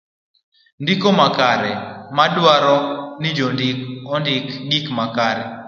ndiko makare. mae dwaro ni jandiko ondik gik makare